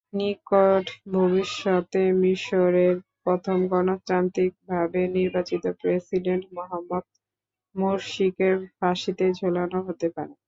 নিকট ভবিষ্যতে মিসরের প্রথম গণতান্ত্রিকভাবে নির্বাচিত প্রেসিডেন্ট মোহাম্মদ মুরসিকে ফাঁসিতে ঝোলানো হতে পারে।